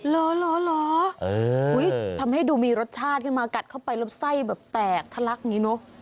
ล้อทำให้ดูมีรสชาติขึ้นมากัดเข้าไปแล้วไส้แบบแตกทะลักอย่างนี้เนอะ